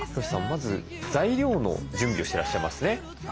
まず材料の準備をしてらっしゃいますね。